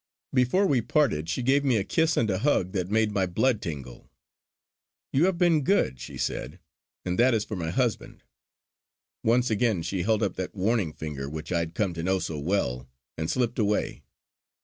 Before we parted she gave me a kiss and a hug that made my blood tingle. "You have been good" she said "and that is for my husband!" Once again she held up that warning finger which I had come to know so well, and slipped away.